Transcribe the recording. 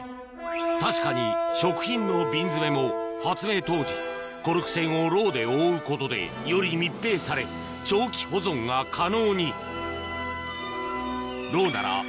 確かに食品の瓶詰も発明当時コルク栓をロウで覆うことでより密閉され長期保存が可能にロウならＤＡＳＨ